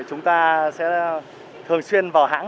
chúng ta sẽ thường xuyên vào hãng